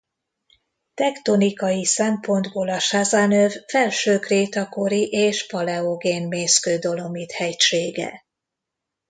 Tektonikai szempontból a Sazan-öv felső kréta kori és paleogén mészkő-dolomit hegysége.